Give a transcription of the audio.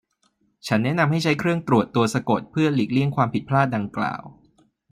ฉันแนะนำให้ใช้เครื่องตรวจตัวสะกดเพื่อหลีกเลี่ยงความผิดพลาดดังกล่าว